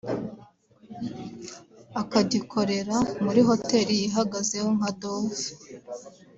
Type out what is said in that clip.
akagikorera muri Hotel yihagazeho nka Dove